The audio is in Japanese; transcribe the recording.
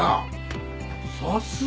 さすが匠！